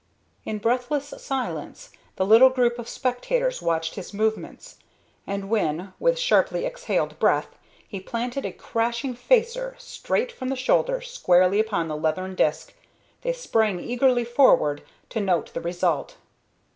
In breathless silence the little group of spectators watched his movements, and when, with sharply exhaled breath, he planted a crashing "facer" straight from the shoulder squarely upon the leathern disk they sprang eagerly forward to note the result.